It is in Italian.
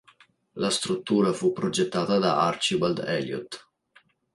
La struttura fu progettata da Archibald Elliot.